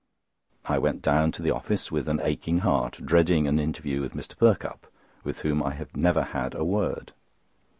I went down to the office with an aching heart, dreading an interview with Mr. Perkupp, with whom I have never had a word.